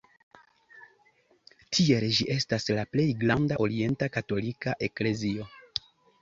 Tiel ĝi estas la plej granda orienta katolika eklezio.